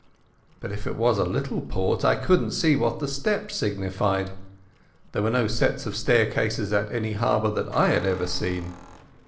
But if it was a little port I couldn't see what the steps signified. There were no sets of staircases on any harbour that I had ever seen.